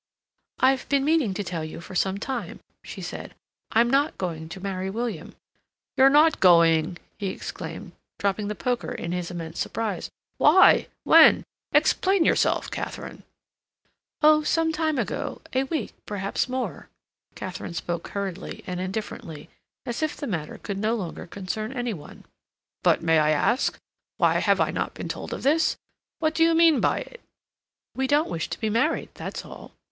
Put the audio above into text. "I've been meaning to tell you for some time," she said, "I'm not going to marry William." "You're not going—!" he exclaimed, dropping the poker in his immense surprise. "Why? When? Explain yourself, Katharine." "Oh, some time ago—a week, perhaps more." Katharine spoke hurriedly and indifferently, as if the matter could no longer concern any one. "But may I ask—why have I not been told of this—what do you mean by it?" "We don't wish to be married—that's all."